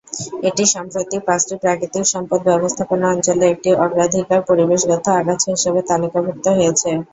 এটি সম্প্রতি পাঁচটি প্রাকৃতিক সম্পদ ব্যবস্থাপনা অঞ্চলে একটি অগ্রাধিকার পরিবেশগত আগাছা হিসাবে তালিকাভুক্ত হয়েছে।